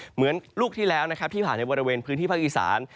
เหมือนลูกที่แล้วนะครับที่ผ่านในบริเวณพื้นที่ภาคอีสาน